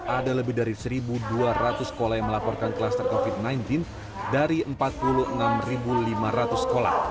ada lebih dari satu dua ratus sekolah yang melaporkan klaster covid sembilan belas dari empat puluh enam lima ratus sekolah